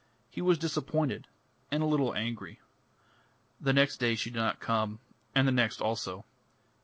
He was disappointed, and a little angry. The next day she did not come, and the next also.